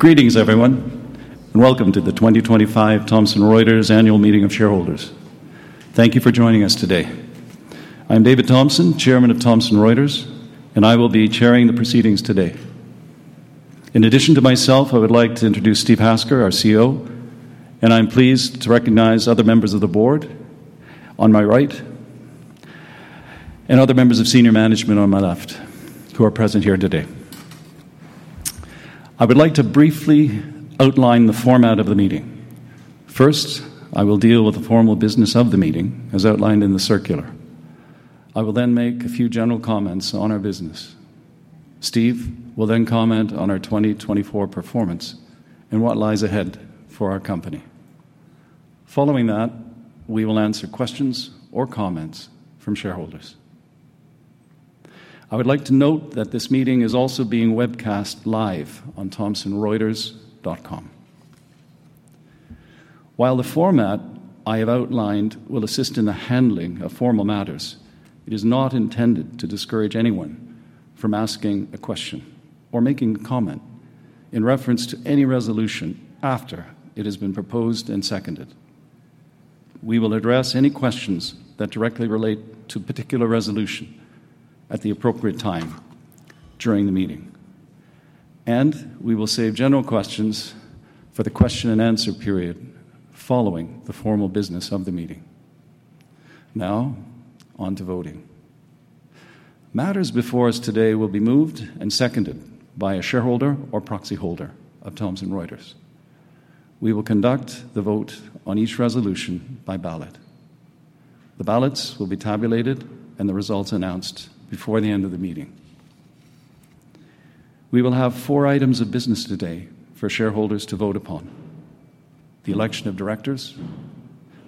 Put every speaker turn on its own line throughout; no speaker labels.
Greetings, everyone, and welcome to the 2025 Thomson Reuters Annual Meeting of Shareholders. Thank you for joining us today. I'm David Thomson, Chairman of Thomson Reuters, and I will be chairing the proceedings today. In addition to myself, I would like to introduce Steve Hasker, our CEO, and I'm pleased to recognize other members of the board on my right and other members of senior management on my left who are present here today. I would like to briefly outline the format of the meeting. First, I will deal with the formal business of the meeting, as outlined in the circular. I will then make a few general comments on our business. Steve will then comment on our 2024 performance and what lies ahead for our company. Following that, we will answer questions or comments from shareholders. I would like to note that this meeting is also being webcast live on thomsonreuters.com. While the format I have outlined will assist in the handling of formal matters, it is not intended to discourage anyone from asking a question or making a comment in reference to any resolution after it has been proposed and seconded. We will address any questions that directly relate to a particular resolution at the appropriate time during the meeting, and we will save general questions for the question-and-answer period following the formal business of the meeting. Now, on to voting. Matters before us today will be moved and seconded by a shareholder or proxy holder of Thomson Reuters. We will conduct the vote on each resolution by ballot. The ballots will be tabulated and the results announced before the end of the meeting. We will have four items of business today for shareholders to vote upon: the election of directors,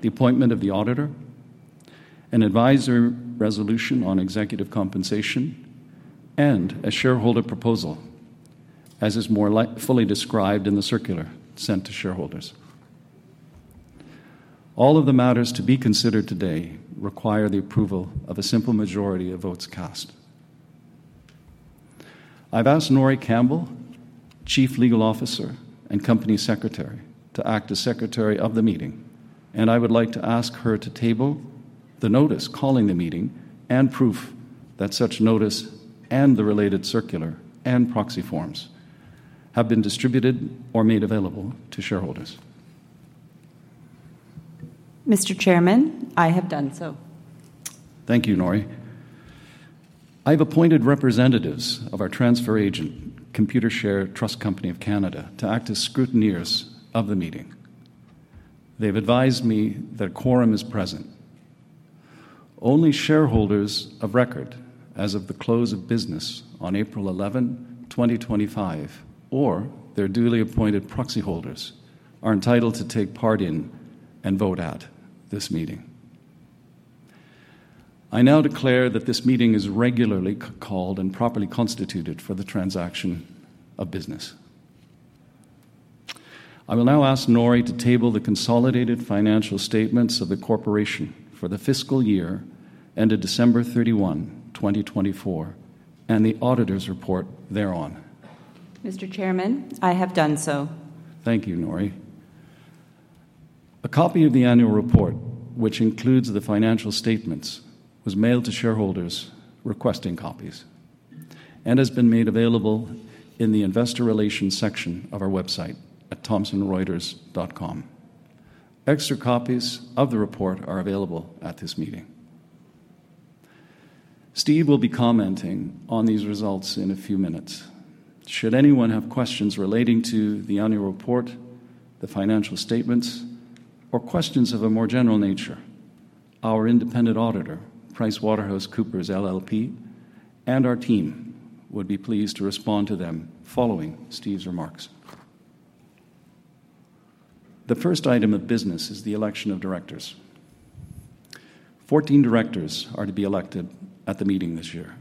the appointment of the auditor, an advisory resolution on executive compensation, and a shareholder proposal, as is more fully described in the circular sent to shareholders. All of the matters to be considered today require the approval of a simple majority of votes cast. I've asked Norie Campbell, Chief Legal Officer and Company Secretary, to act as Secretary of the Meeting, and I would like to ask her to table the notice calling the meeting and proof that such notice and the related circular and proxy forms have been distributed or made available to shareholders.
Mr. Chairman, I have done so.
Thank you, Norie. I have appointed representatives of our transfer agent, Computershare Trust Company of Canada, to act as scrutineers of the meeting. They have advised me that a quorum is present. Only shareholders of record, as of the close of business on April 11, 2025, or their duly appointed proxy holders, are entitled to take part in and vote at this meeting. I now declare that this meeting is regularly called and properly constituted for the transaction of business. I will now ask Norie to table the consolidated financial statements of the corporation for the fiscal year ended December 31, 2024, and the auditor's report thereon.
Mr. Chairman, I have done so.
Thank you, Norie. A copy of the annual report, which includes the financial statements, was mailed to shareholders requesting copies and has been made available in the investor relations section of our website at thomsonreuters.com. Extra copies of the report are available at this meeting. Steve will be commenting on these results in a few minutes. Should anyone have questions relating to the annual report, the financial statements, or questions of a more general nature, our independent auditor, PricewaterhouseCoopers LLP, and our team would be pleased to respond to them following Steve's remarks. The first item of business is the election of directors. Fourteen directors are to be elected at the meeting this year.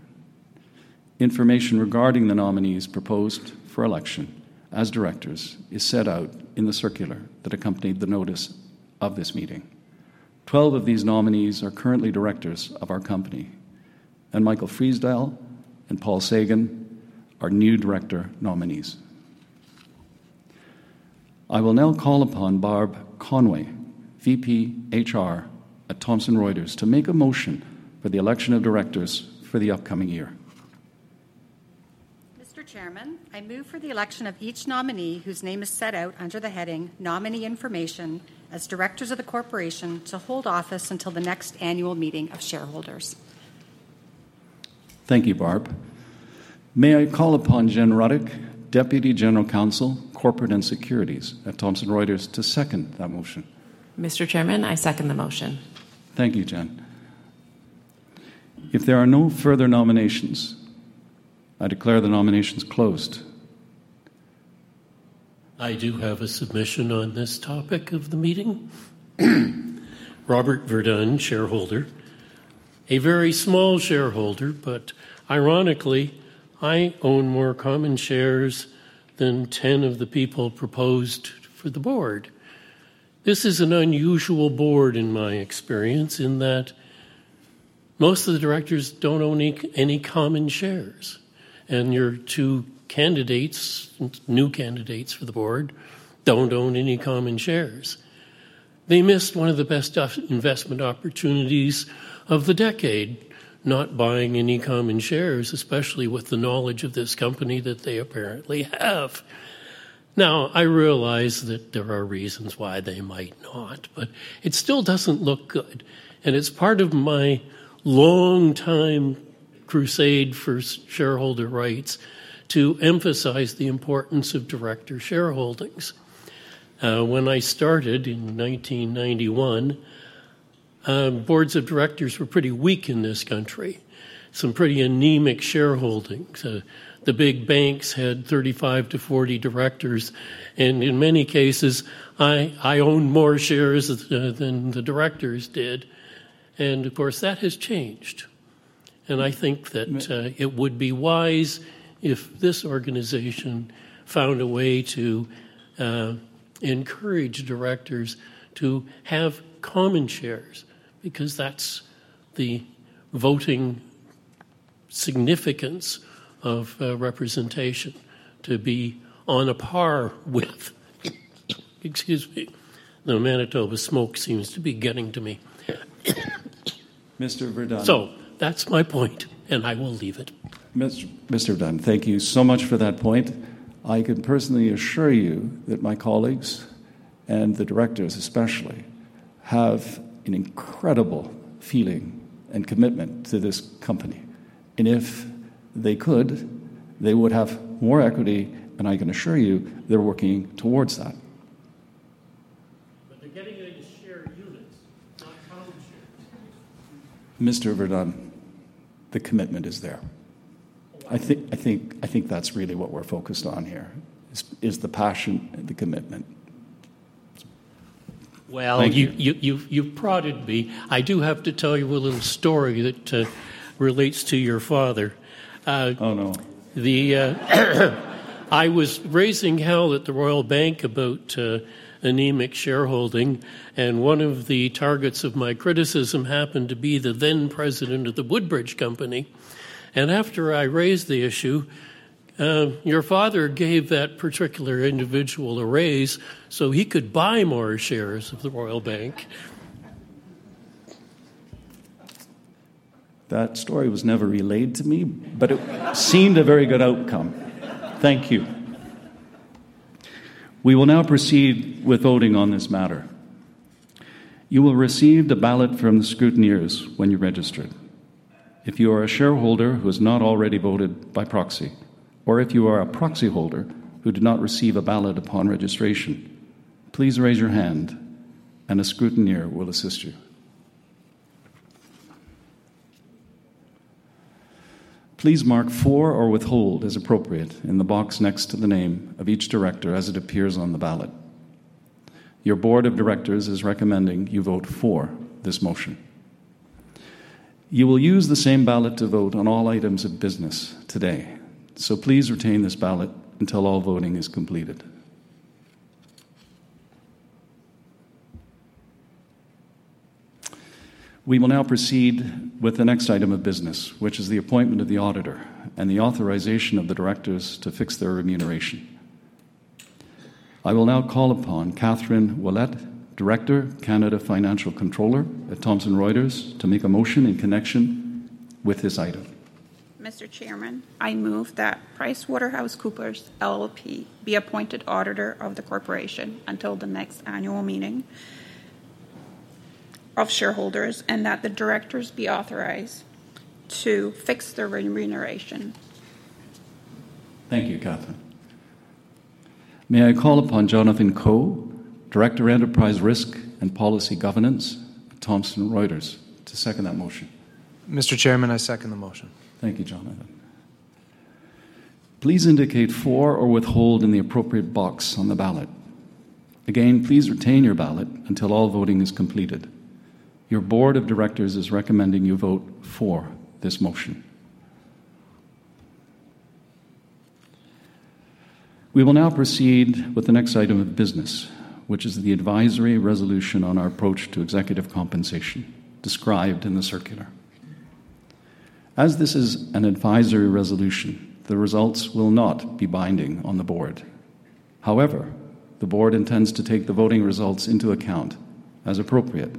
Information regarding the nominees proposed for election as directors is set out in the circular that accompanied the notice of this meeting. Twelve of these nominees are currently directors of our company, and Michael Friisdahl and Paul Sagan are new director nominees. I will now call upon Barb Conway, VP HR at Thomson Reuters, to make a motion for the election of directors for the upcoming year.
Mr. Chairman, I move for the election of each nominee whose name is set out under the heading Nominee Information as Directors of the Corporation to hold office until the next annual meeting of shareholders.
Thank you, Barb. May I call upon Jen Ruddick, Deputy General Counsel, Corporate and Securities at Thomson Reuters, to second that motion?
Mr. Chairman, I second the motion.
Thank you, Jen. If there are no further nominations, I declare the nominations closed.
I do have a submission on this topic of the meeting. Robert Verdun, shareholder. A very small shareholder, but ironically, I own more common shares than ten of the people proposed for the board. This is an unusual board, in my experience, in that most of the directors do not own any common shares, and your two candidates, new candidates for the board, do not own any common shares. They missed one of the best investment opportunities of the decade, not buying any common shares, especially with the knowledge of this company that they apparently have. Now, I realize that there are reasons why they might not, but it still does not look good, and it is part of my long-time crusade for shareholder rights to emphasize the importance of director shareholdings. When I started in 1991, boards of directors were pretty weak in this country, some pretty anemic shareholdings. The big banks had 35 to 40 directors, and in many cases, I owned more shares than the directors did, and of course, that has changed. I think that it would be wise if this organization found a way to encourage directors to have common shares, because that's the voting significance of representation, to be on a par with. Excuse me, the Manitoba smoke seems to be getting to me.
Mr. Verdun.
That's my point, and I will leave it.
Mr. Verdun, thank you so much for that point. I can personally assure you that my colleagues and the directors, especially, have an incredible feeling and commitment to this company. If they could, they would have more equity, and I can assure you they're working towards that.
They're getting into share units, not common shares.
Mr. Verdun, the commitment is there. I think that's really what we're focused on here, is the passion and the commitment.
You've prodded me. I do have to tell you a little story that relates to your father.
Oh, no.
I was raising hell at the Royal Bank about anemic shareholding, and one of the targets of my criticism happened to be the then President of the Woodbridge Company. After I raised the issue, your father gave that particular individual a raise so he could buy more shares of the Royal Bank.
That story was never relayed to me, but it seemed a very good outcome. Thank you. We will now proceed with voting on this matter. You will receive the ballot from the scrutineers when you register. If you are a shareholder who has not already voted by proxy, or if you are a proxy holder who did not receive a ballot upon registration, please raise your hand, and a scrutineer will assist you. Please mark for or withhold as appropriate in the box next to the name of each director as it appears on the ballot. Your board of directors is recommending you vote for this motion. You will use the same ballot to vote on all items of business today, so please retain this ballot until all voting is completed. We will now proceed with the next item of business, which is the appointment of the auditor and the authorization of the directors to fix their remuneration. I will now call upon Kathryn Ouellette, Director, Canada Financial Controller at Thomson Reuters, to make a motion in connection with this item.
Mr. Chairman, I move that PricewaterhouseCoopers LLP be appointed auditor of the corporation until the next annual meeting of shareholders and that the directors be authorized to fix their remuneration.
Thank you, Kathryn. May I call upon Jonathan Coe, Director, Enterprise Risk and Policy Governance at Thomson Reuters, to second that motion?
Mr. Chairman, I second the motion.
Thank you, Jonathan. Please indicate for or withhold in the appropriate box on the ballot. Again, please retain your ballot until all voting is completed. Your board of directors is recommending you vote for this motion. We will now proceed with the next item of business, which is the advisory resolution on our approach to executive compensation described in the circular. As this is an advisory resolution, the results will not be binding on the board. However, the board intends to take the voting results into account as appropriate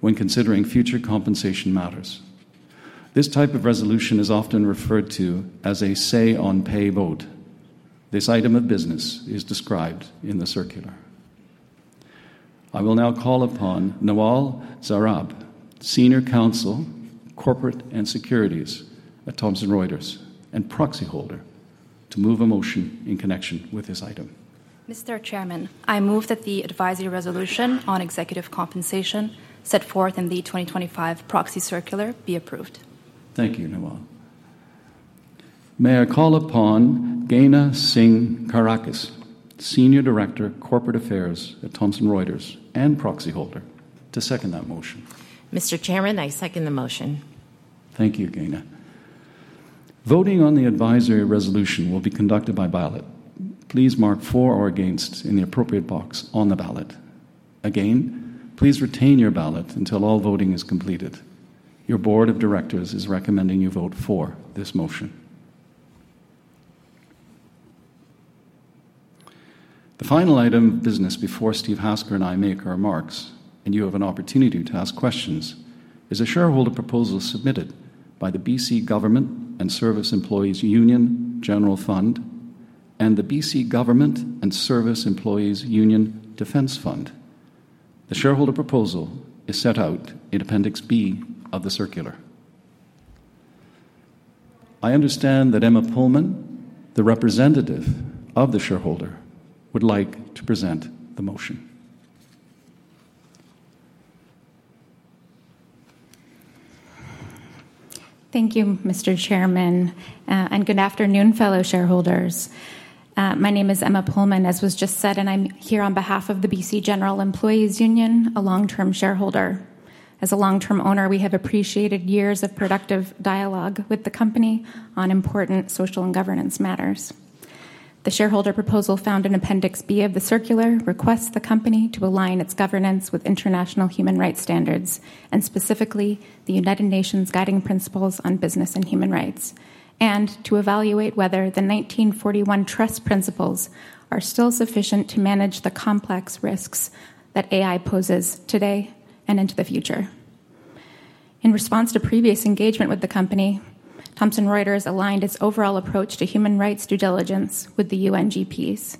when considering future compensation matters. This type of resolution is often referred to as a say-on-pay vote. This item of business is described in the circular. I will now call upon Noelle Zarab, Senior Counsel, Corporate and Securities at Thomson Reuters and proxy holder, to move a motion in connection with this item.
Mr. Chairman, I move that the advisory resolution on executive compensation set forth in the 2025 Proxy Circular be approved.
Thank you, Noel. May I call upon Gehna Singh Kareckas, Senior Director, Corporate Affairs at Thomson Reuters and proxy holder, to second that motion?
Mr. Chairman, I second the motion.
Thank you, Gehna. Voting on the advisory resolution will be conducted by ballot. Please mark for or against in the appropriate box on the ballot. Again, please retain your ballot until all voting is completed. Your board of directors is recommending you vote for this motion. The final item of business before Steve Hasker and I make our remarks, and you have an opportunity to ask questions, is a shareholder proposal submitted by the BC Government and Service Employees' Union General Fund and the BC Government and Service Employees' Union Defense Fund. The shareholder proposal is set out in Appendix B of the circular. I understand that Emma Pullman, the representative of the shareholder, would like to present the motion.
Thank you, Mr. Chairman, and good afternoon, fellow shareholders. My name is Emma Pullman, as was just said, and I'm here on behalf of the BC General Employees' Union, a long-term shareholder. As a long-term owner, we have appreciated years of productive dialogue with the company on important social and governance matters. The shareholder proposal found in Appendix B of the circular requests the company to align its governance with international human rights standards, and specifically the United Nations Guiding Principles on Business and Human Rights, and to evaluate whether the 1941 Trust Principles are still sufficient to manage the complex risks that AI poses today and into the future. In response to previous engagement with the company, Thomson Reuters aligned its overall approach to human rights due diligence with the UNGPs.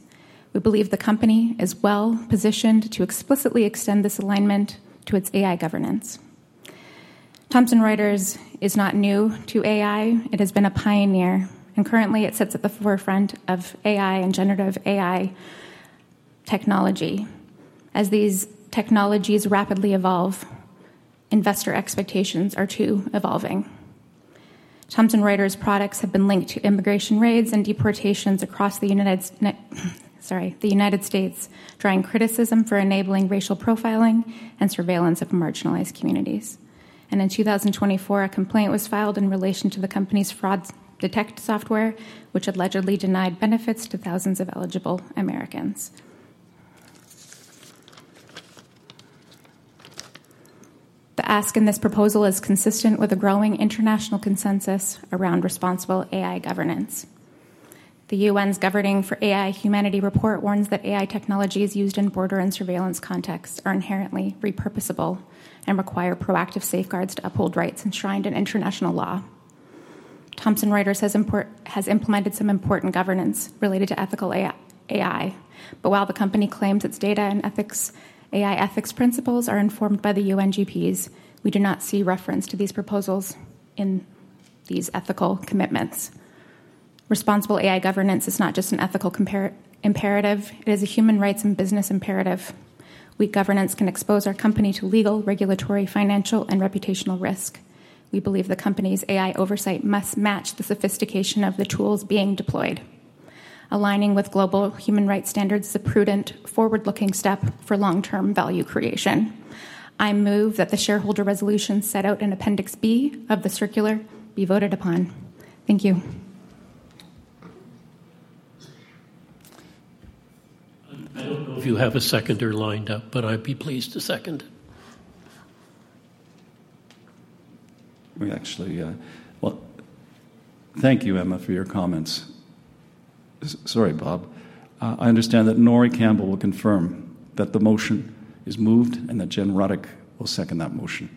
We believe the company is well positioned to explicitly extend this alignment to its AI governance. Thomson Reuters is not new to AI. It has been a pioneer, and currently it sits at the forefront of AI and generative AI technology. As these technologies rapidly evolve, investor expectations are too evolving. Thomson Reuters' products have been linked to immigration raids and deportations across the United States, drawing criticism for enabling racial profiling and surveillance of marginalized communities. In 2024, a complaint was filed in relation to the company's fraud detect software, which allegedly denied benefits to thousands of eligible Americans. The ask in this proposal is consistent with a growing international consensus around responsible AI governance. The UN's Governing for AI Humanity Report warns that AI technologies used in border and surveillance contexts are inherently repurposable and require proactive safeguards to uphold rights enshrined in international law. Thomson Reuters has implemented some important governance related to ethical AI, but while the company claims its data and AI ethics principles are informed by the UNGPs, we do not see reference to these proposals in these ethical commitments. Responsible AI governance is not just an ethical imperative, it is a human rights and business imperative. Weak governance can expose our company to legal, regulatory, financial, and reputational risk. We believe the company's AI oversight must match the sophistication of the tools being deployed. Aligning with global human rights standards is a prudent, forward-looking step for long-term value creation. I move that the shareholder resolution set out in Appendix B of the circular be voted upon. Thank you.
I don't know if you have a seconder lined up, but I'd be pleased to second.
We actually, well, thank you, Emma, for your comments. Sorry, Bob. I understand that Norie Campbell will confirm that the motion is moved and that Jen Ruddick will second that motion.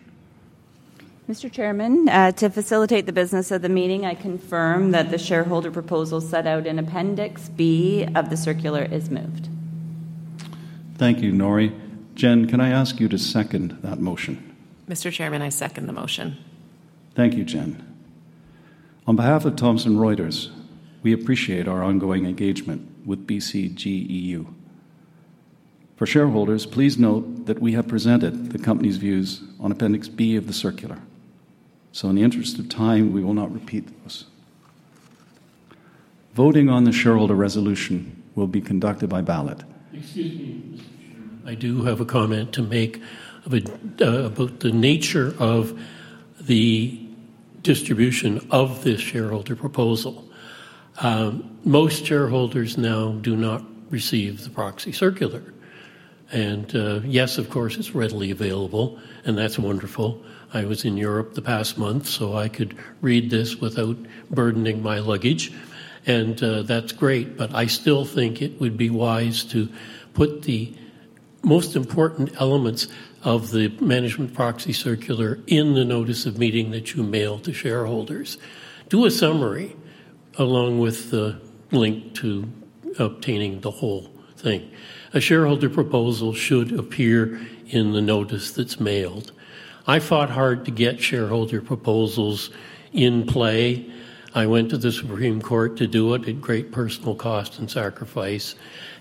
Mr. Chairman, to facilitate the business of the meeting, I confirm that the shareholder proposal set out in Appendix B of the circular is moved.
Thank you, Norie. Jen, can I ask you to second that motion?
Mr. Chairman, I second the motion.
Thank you, Jen. On behalf of Thomson Reuters, we appreciate our ongoing engagement with BCGEU. For shareholders, please note that we have presented the company's views on Appendix B of the circular. In the interest of time, we will not repeat those. Voting on the shareholder resolution will be conducted by ballot.
Excuse me, Mr. Chairman.
I do have a comment to make about the nature of the distribution of this shareholder proposal. Most shareholders now do not receive the proxy circular. Yes, of course, it's readily available, and that's wonderful. I was in Europe the past month, so I could read this without burdening my luggage, and that's great, but I still think it would be wise to put the most important elements of the management proxy circular in the notice of meeting that you mail to shareholders. Do a summary along with the link to obtaining the whole thing. A shareholder proposal should appear in the notice that's mailed. I fought hard to get shareholder proposals in play. I went to the Supreme Court to do it at great personal cost and sacrifice,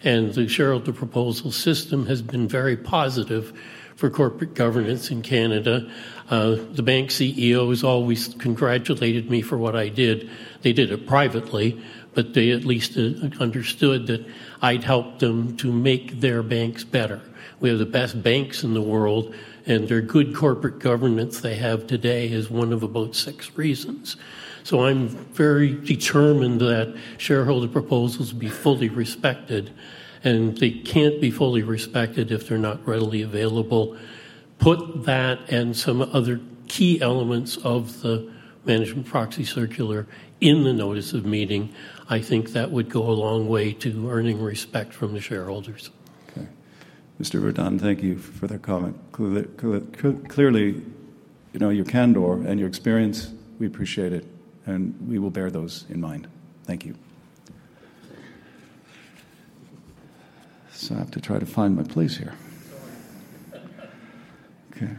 and the shareholder proposal system has been very positive for corporate governance in Canada. The bank CEO has always congratulated me for what I did. They did it privately, but they at least understood that I'd helped them to make their banks better. We have the best banks in the world, and their good corporate governance they have today is one of about six reasons. I am very determined that shareholder proposals be fully respected, and they can't be fully respected if they're not readily available. Put that and some other key elements of the management proxy circular in the notice of meeting. I think that would go a long way to earning respect from the shareholders.
Okay. Mr. Verdun, thank you for that comment. Clearly, you know your candor and your experience. We appreciate it, and we will bear those in mind. Thank you. I have to try to find my place here. Okay.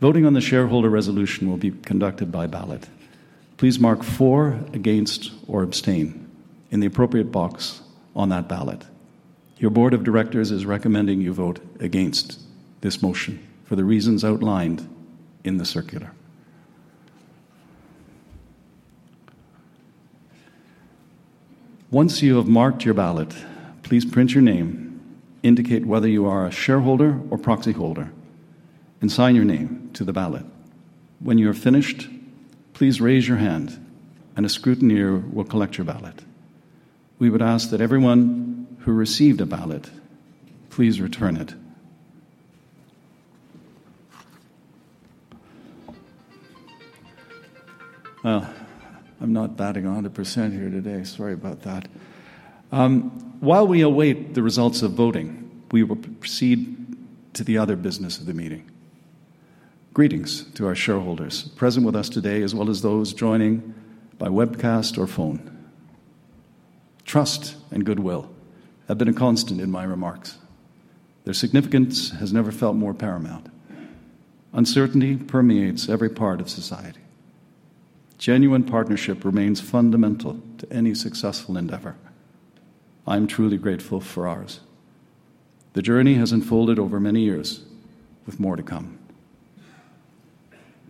Voting on the shareholder resolution will be conducted by ballot. Please mark for, against, or abstain in the appropriate box on that ballot. Your board of directors is recommending you vote against this motion for the reasons outlined in the circular. Once you have marked your ballot, please print your name, indicate whether you are a shareholder or proxy holder, and sign your name to the ballot. When you are finished, please raise your hand, and a scrutineer will collect your ballot. We would ask that everyone who received a ballot, please return it. I'm not batting 100% here today. Sorry about that. While we await the results of voting, we will proceed to the other business of the meeting. Greetings to our shareholders present with us today, as well as those joining by webcast or phone. Trust and goodwill have been a constant in my remarks. Their significance has never felt more paramount. Uncertainty permeates every part of society. Genuine partnership remains fundamental to any successful endeavor. I'm truly grateful for ours. The journey has unfolded over many years with more to come.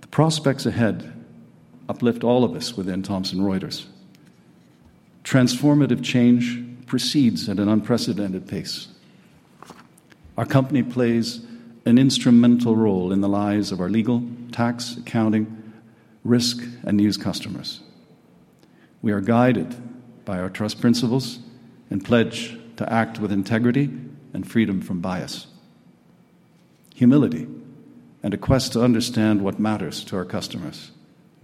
The prospects ahead uplift all of us within Thomson Reuters. Transformative change proceeds at an unprecedented pace. Our company plays an instrumental role in the lives of our legal, tax, accounting, risk, and news customers. We are guided by our trust principles and pledge to act with integrity and freedom from bias. Humility and a quest to understand what matters to our customers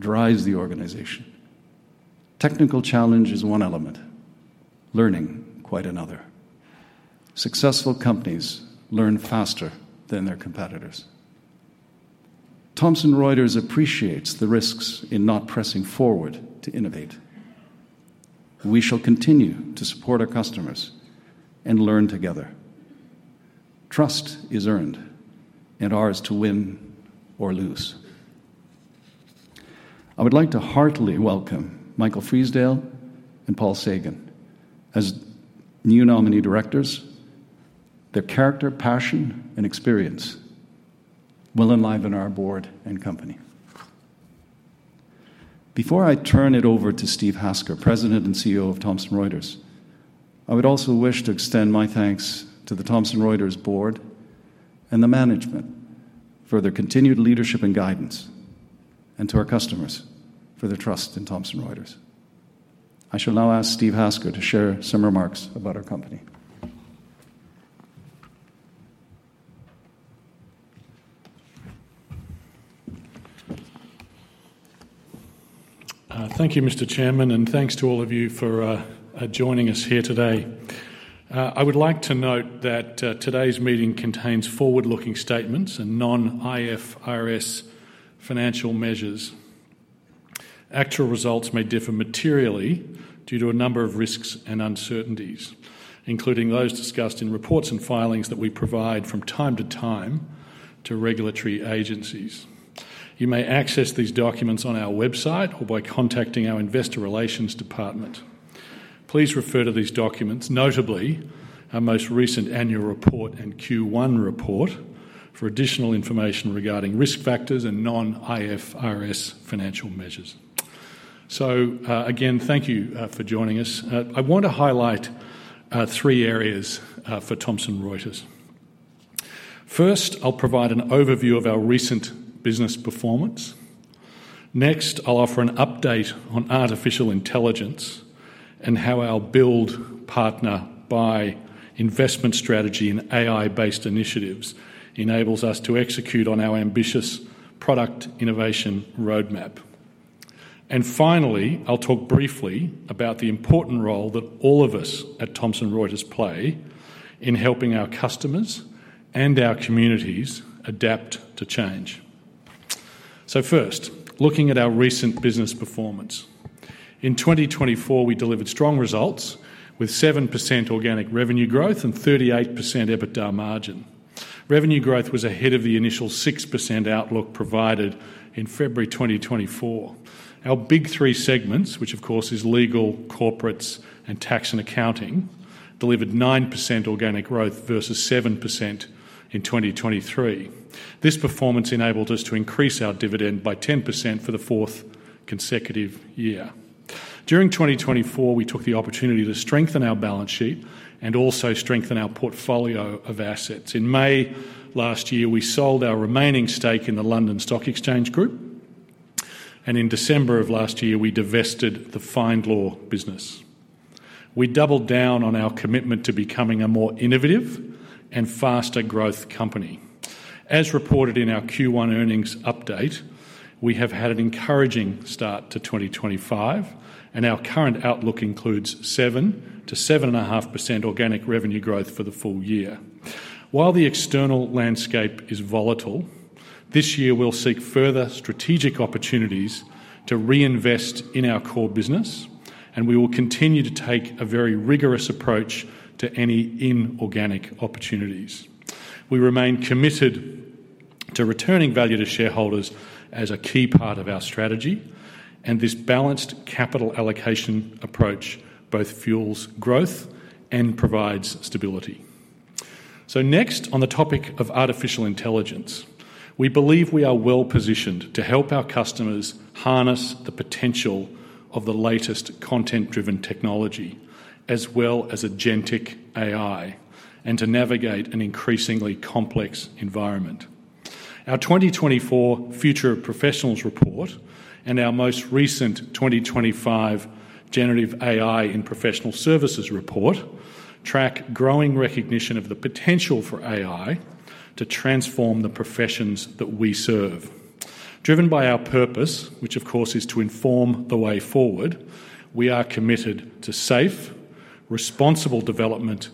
drives the organization. Technical challenge is one element. Learning, quite another. Successful companies learn faster than their competitors. Thomson Reuters appreciates the risks in not pressing forward to innovate. We shall continue to support our customers and learn together. Trust is earned, and ours to win or lose. I would like to heartily welcome Michael Friisdahl and Paul Sagan as new nominee directors. Their character, passion, and experience will enliven our board and company. Before I turn it over to Steve Hasker, President and CEO of Thomson Reuters, I would also wish to extend my thanks to the Thomson Reuters board and the management for their continued leadership and guidance, and to our customers for their trust in Thomson Reuters. I shall now ask Steve Hasker to share some remarks about our company.
Thank you, Mr. Chairman, and thanks to all of you for joining us here today. I would like to note that today's meeting contains forward-looking statements and non-IFRS financial measures. Actual results may differ materially due to a number of risks and uncertainties, including those discussed in reports and filings that we provide from time to time to regulatory agencies. You may access these documents on our website or by contacting our Investor Relations Department. Please refer to these documents, notably our most recent annual report and Q1 report, for additional information regarding risk factors and non-IFRS financial measures. Thank you for joining us. I want to highlight three areas for Thomson Reuters. First, I'll provide an overview of our recent business performance. Next, I'll offer an update on artificial intelligence and how our build partner by investment strategy in AI-based initiatives enables us to execute on our ambitious product innovation roadmap. Finally, I'll talk briefly about the important role that all of us at Thomson Reuters play in helping our customers and our communities adapt to change. First, looking at our recent business performance. In 2024, we delivered strong results with 7% organic revenue growth and 38% EBITDA margin. Revenue growth was ahead of the initial 6% outlook provided in February 2024. Our big three segments, which of course are legal, corporates, and tax and accounting, delivered 9% organic growth versus 7% in 2023. This performance enabled us to increase our dividend by 10% for the fourth consecutive year. During 2024, we took the opportunity to strengthen our balance sheet and also strengthen our portfolio of assets. In May last year, we sold our remaining stake in the London Stock Exchange Group, and in December of last year, we divested the FindLaw business. We doubled down on our commitment to becoming a more innovative and faster growth company. As reported in our Q1 earnings update, we have had an encouraging start to 2024, and our current outlook includes 7%-7.5% organic revenue growth for the full year. While the external landscape is volatile, this year we'll seek further strategic opportunities to reinvest in our core business, and we will continue to take a very rigorous approach to any inorganic opportunities. We remain committed to returning value to shareholders as a key part of our strategy, and this balanced capital allocation approach both fuels growth and provides stability. Next, on the topic of artificial intelligence, we believe we are well positioned to help our customers harness the potential of the latest content-driven technology, as well as agentic AI, and to navigate an increasingly complex environment. Our 2024 Future of Professionals Report and our most recent 2025 Generative AI in Professional Services Report track growing recognition of the potential for AI to transform the professions that we serve. Driven by our purpose, which of course is to inform the way forward, we are committed to safe, responsible development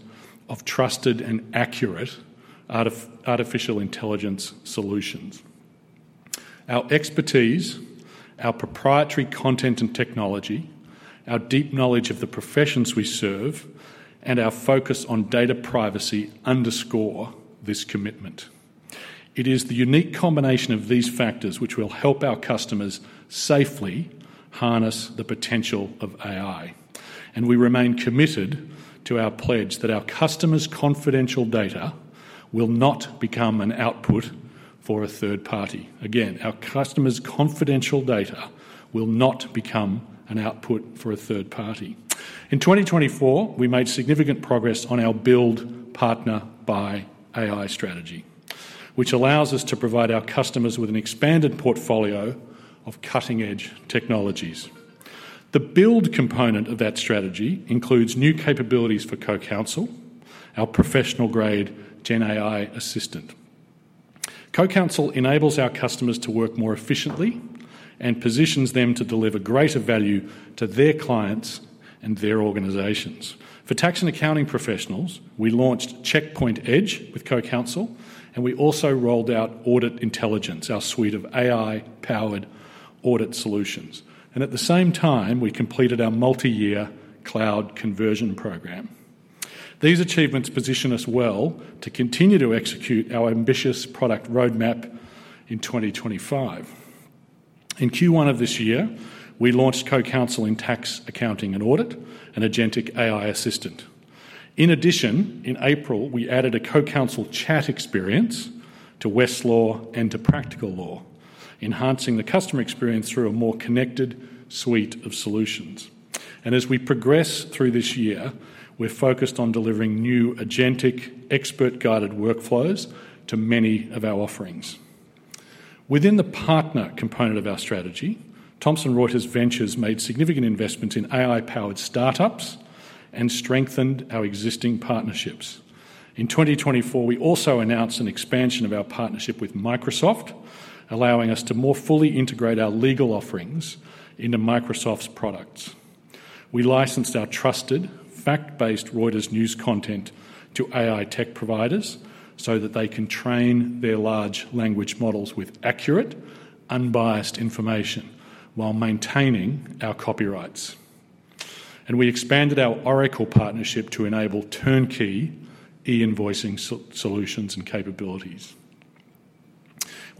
of trusted and accurate artificial intelligence solutions. Our expertise, our proprietary content and technology, our deep knowledge of the professions we serve, and our focus on data privacy underscore this commitment. It is the unique combination of these factors which will help our customers safely harness the potential of AI, and we remain committed to our pledge that our customers' confidential data will not become an output for a third party. Again, our customers' confidential data will not become an output for a third party. In 2024, we made significant progress on our build partner by AI strategy, which allows us to provide our customers with an expanded portfolio of cutting-edge technologies. The build component of that strategy includes new capabilities for CoCounsel, our professional-grade GenAI assistant. CoCounsel enables our customers to work more efficiently and positions them to deliver greater value to their clients and their organizations. For tax and accounting professionals, we launched Checkpoint Edge with CoCounsel, and we also rolled out Audit Intelligence, our suite of AI-powered audit solutions. At the same time, we completed our multi-year cloud conversion program. These achievements position us well to continue to execute our ambitious product roadmap in 2025. In Q1 of this year, we launched CoCounsel in tax, accounting, and audit, an agentic AI assistant. In addition, in April, we added a CoCounsel chat experience to Westlaw and to Practical Law, enhancing the customer experience through a more connected suite of solutions. As we progress through this year, we're focused on delivering new agentic, expert-guided workflows to many of our offerings. Within the partner component of our strategy, Thomson Reuters Ventures made significant investments in AI-powered startups and strengthened our existing partnerships. In 2024, we also announced an expansion of our partnership with Microsoft, allowing us to more fully integrate our legal offerings into Microsoft's products. We licensed our trusted, fact-based Reuters News content to AI tech providers so that they can train their large language models with accurate, unbiased information while maintaining our copyrights. We expanded our Oracle partnership to enable turnkey e-invoicing solutions and capabilities.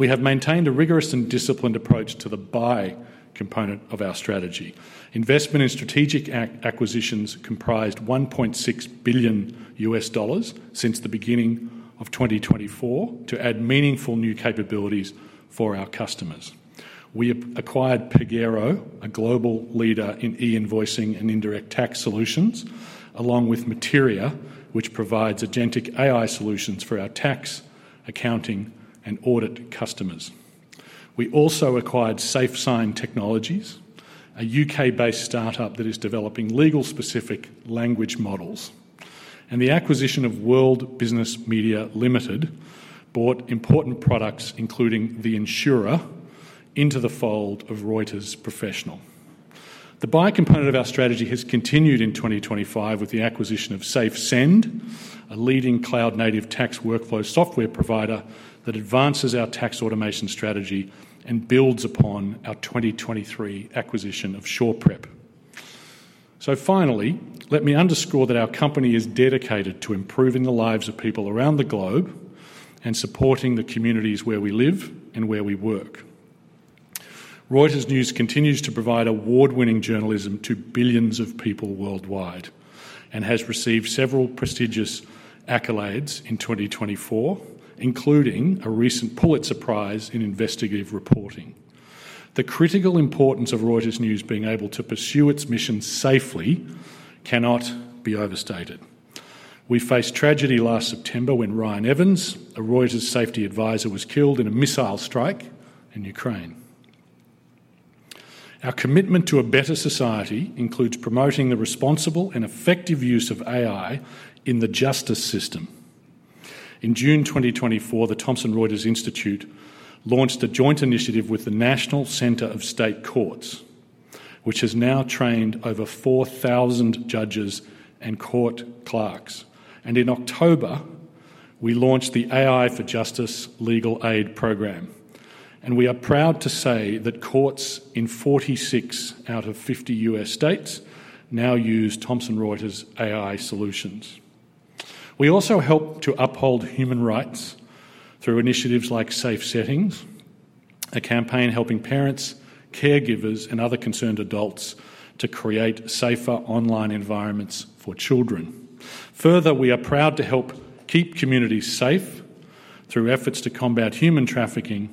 We have maintained a rigorous and disciplined approach to the buy component of our strategy. Investment in strategic acquisitions comprised $1.6 billion since the beginning of 2024 to add meaningful new capabilities for our customers. We acquired Pagero, a global leader in e-invoicing and indirect tax solutions, along with Materia, which provides agentic AI solutions for our tax, accounting, and audit customers. We also acquired SafeSign Technologies, a U.K.-based startup that is developing legal-specific language models. The acquisition of World Business Media Limited brought important products, including The Insurer, into the fold of Reuters Professional. The buy component of our strategy has continued in 2025 with the acquisition of SafeSend, a leading cloud-native tax workflow software provider that advances our tax automation strategy and builds upon our 2023 acquisition of SurePrep. Finally, let me underscore that our company is dedicated to improving the lives of people around the globe and supporting the communities where we live and where we work. Reuters News continues to provide award-winning journalism to billions of people worldwide and has received several prestigious accolades in 2024, including a recent Pulitzer Prize in investigative reporting. The critical importance of Reuters News being able to pursue its mission safely cannot be overstated. We faced tragedy last September when Ryan Evans, a Reuters safety advisor, was killed in a missile strike in Ukraine. Our commitment to a better society includes promoting the responsible and effective use of AI in the justice system. In June 2024, the Thomson Reuters Institute launched a joint initiative with the National Center for State Courts, which has now trained over 4,000 judges and court clerks. In October, we launched the AI for Justice Legal Aid Program. We are proud to say that courts in 46 out of 50 U.S. states now use Thomson Reuters AI solutions. We also help to uphold human rights through initiatives like Safe Settings, a campaign helping parents, caregivers, and other concerned adults to create safer online environments for children. Further, we are proud to help keep communities safe through efforts to combat human trafficking,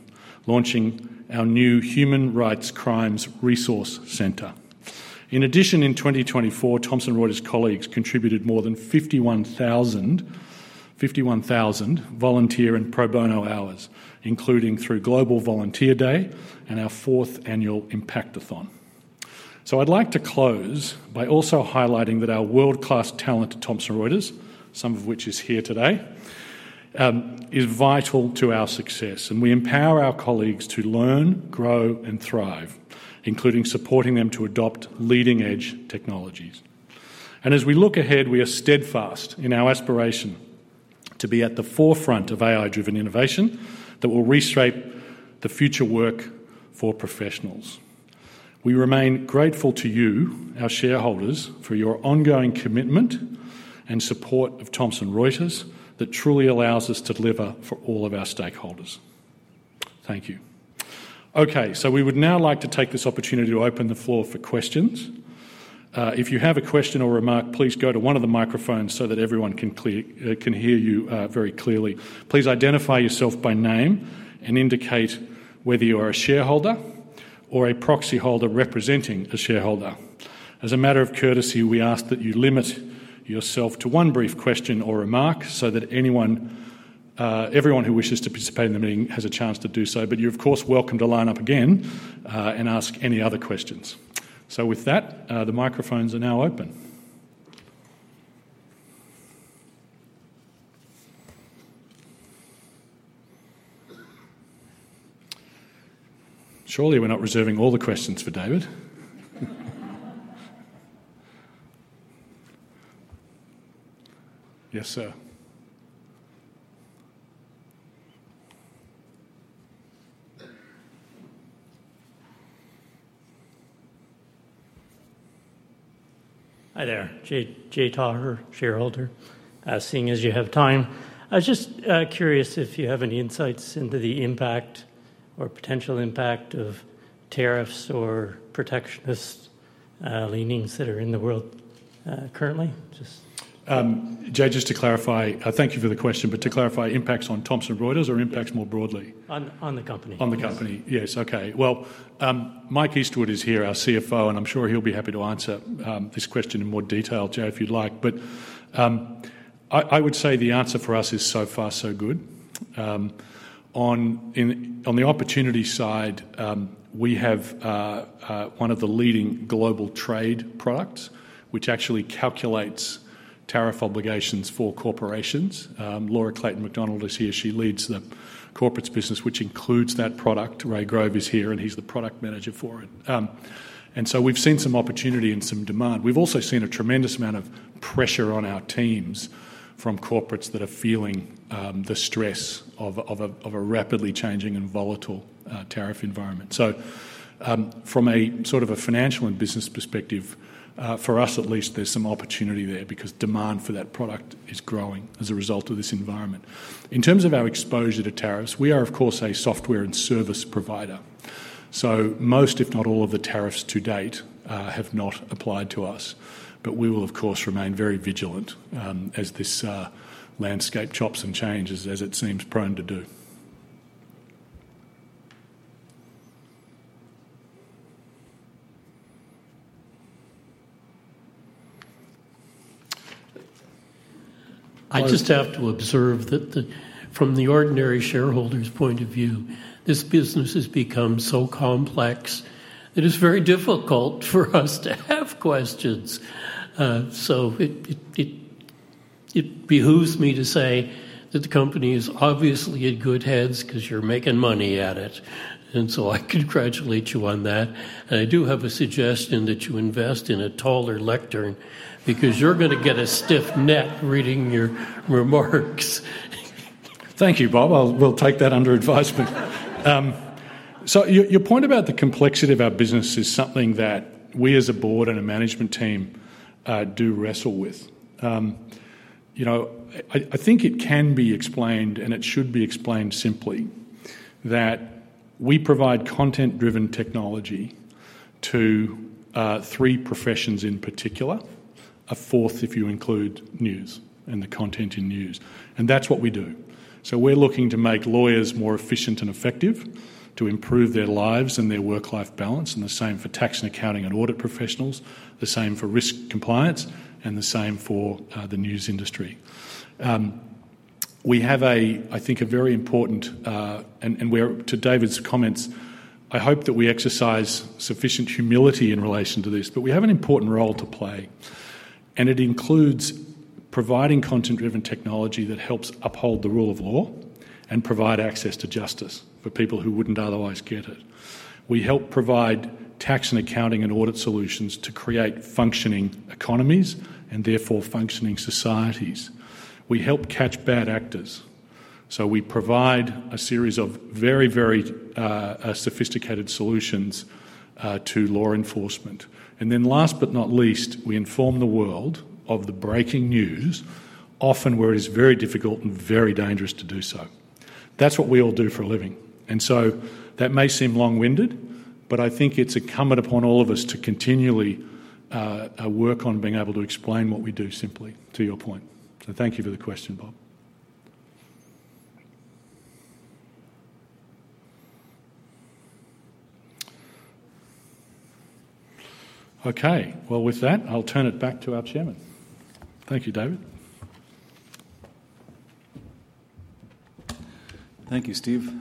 launching our new Human Rights Crimes Resource Center. In addition, in 2024, Thomson Reuters colleagues contributed more than 51,000 volunteer and pro bono hours, including through Global Volunteer Day and our fourth annual Impact Hackathon. I'd like to close by also highlighting that our world-class talent at Thomson Reuters, some of which is here today, is vital to our success. We empower our colleagues to learn, grow, and thrive, including supporting them to adopt leading-edge technologies. As we look ahead, we are steadfast in our aspiration to be at the forefront of AI-driven innovation that will reshape the future work for professionals. We remain grateful to you, our shareholders, for your ongoing commitment and support of Thomson Reuters that truly allows us to deliver for all of our stakeholders. Thank you. Okay, we would now like to take this opportunity to open the floor for questions. If you have a question or remark, please go to one of the microphones so that everyone can hear you very clearly. Please identify yourself by name and indicate whether you are a shareholder or a proxy holder representing a shareholder. As a matter of courtesy, we ask that you limit yourself to one brief question or remark so that everyone who wishes to participate in the meeting has a chance to do so. You are, of course, welcome to line up again and ask any other questions. With that, the microphones are now open. Surely we are not reserving all the questions for David. Yes, sir.
Hi there, J. Taher, shareholder. Seeing as you have time, I was just curious if you have any insights into the impact or potential impact of tariffs or protectionist leanings that are in the world currently.
Just to clarify, thank you for the question, but to clarify, impacts on Thomson Reuters or impacts more broadly?
On the company.
On the company. Yes. Okay. Mike Eastwood is here, our CFO, and I'm sure he'll be happy to answer this question in more detail, Jo, if you'd like. I would say the answer for us is so far, so good. On the opportunity side, we have one of the leading global trade products, which actually calculates tariff obligations for corporations. Laura Clayton McDonnell is here. She leads the corporates business, which includes that product. Ray Grove is here, and he's the product manager for it. We've seen some opportunity and some demand. We've also seen a tremendous amount of pressure on our teams from corporates that are feeling the stress of a rapidly changing and volatile tariff environment. From a sort of a financial and business perspective, for us at least, there's some opportunity there because demand for that product is growing as a result of this environment. In terms of our exposure to tariffs, we are, of course, a software and service provider. Most, if not all, of the tariffs to date have not applied to us, but we will, of course, remain very vigilant as this landscape chops and changes, as it seems prone to do.
I just have to observe that from the ordinary shareholder's point of view, this business has become so complex that it is very difficult for us to have questions. It behooves me to say that the company is obviously in good hands because you are making money at it. I congratulate you on that. I do have a suggestion that you invest in a taller lectern because you are going to get a stiff neck reading your remarks.
Thank you, Bob. We will take that under advisement. Your point about the complexity of our business is something that we, as a board and a management team, do wrestle with. I think it can be explained, and it should be explained simply, that we provide content-driven technology to three professions in particular, a fourth if you include news and the content in news. That is what we do. We are looking to make lawyers more efficient and effective, to improve their lives and their work-life balance, and the same for tax and accounting and audit professionals, the same for risk compliance, and the same for the news industry. We have, I think, a very important and to David's comments, I hope that we exercise sufficient humility in relation to this, but we have an important role to play. It includes providing content-driven technology that helps uphold the rule of law and provide access to justice for people who would not otherwise get it. We help provide tax and accounting and audit solutions to create functioning economies and therefore functioning societies. We help catch bad actors. We provide a series of very, very sophisticated solutions to law enforcement. Last but not least, we inform the world of the breaking news, often where it is very difficult and very dangerous to do so. That is what we all do for a living. That may seem long-winded, but I think it is incumbent upon all of us to continually work on being able to explain what we do simply, to your point. Thank you for the question, Bob. I will turn it back to our chairman. Thank you, David.
Thank you, Steve.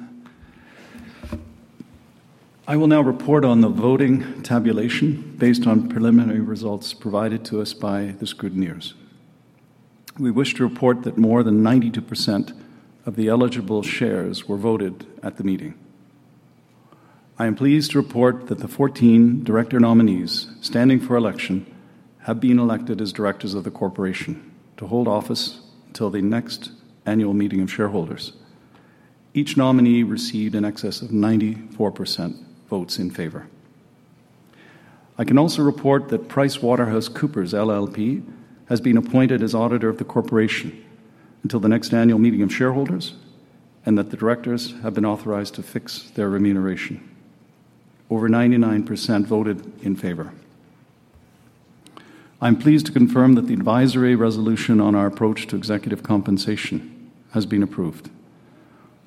I will now report on the voting tabulation based on preliminary results provided to us by the scrutineers. We wish to report that more than 92% of the eligible shares were voted at the meeting. I am pleased to report that the 14 director nominees standing for election have been elected as directors of the corporation to hold office until the next annual meeting of shareholders. Each nominee received in excess of 94% votes in favor. I can also report that PricewaterhouseCoopers LLP has been appointed as auditor of the corporation until the next annual meeting of shareholders and that the directors have been authorized to fix their remuneration. Over 99% voted in favor. I'm pleased to confirm that the advisory resolution on our approach to executive compensation has been approved.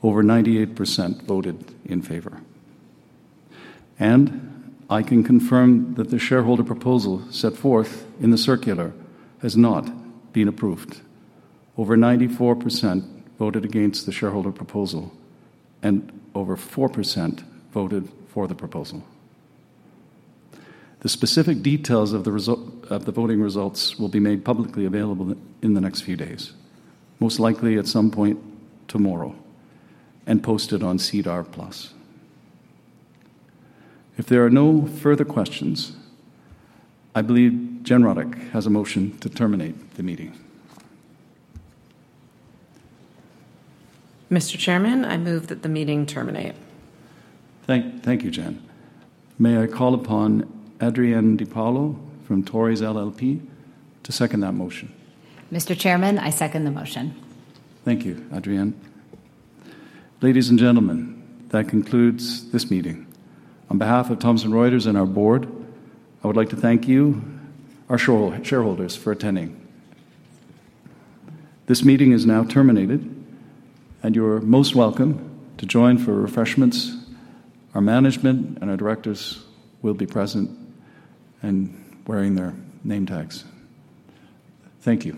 Over 98% voted in favor. I can confirm that the shareholder proposal set forth in the circular has not been approved. Over 94% voted against the shareholder proposal, and over 4% voted for the proposal. The specific details of the voting results will be made publicly available in the next few days, most likely at some point tomorrow, and posted on SEDAR+. If there are no further questions, I believe Jen Ruttig has a motion to terminate the meeting.
Mr. Chairman, I move that the meeting terminate.
Thank you, Jen. May I call upon Adrienne DePaulo from Torys LLP to second that motion?
Mr. Chairman, I second the motion.
Thank you, Adrienne. Ladies and gentlemen, that concludes this meeting. On behalf of Thomson Reuters and our board, I would like to thank you, our shareholders, for attending. This meeting is now terminated, and you're most welcome to join for refreshments. Our management and our directors will be present and wearing their name tags. Thank you.